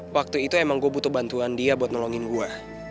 waktu itu emang gue butuh bantuan dia buat nolongin gue